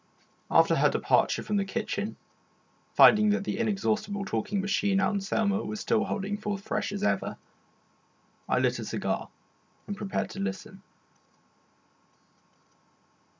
After her departure from the kitchen, finding that the inexhaustible talking machine Anselmo was still holding forth fresh as ever, I lit a cigar and prepared to listen.